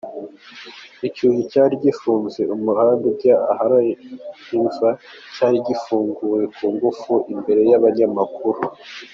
Icyugi cyari gifunze umuhanda ujya ahari imva cyafunguwe ku ngufu imbere y’abanyamakuru.